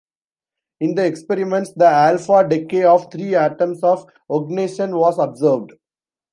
In the experiments, the alpha-decay of three atoms of oganesson was observed.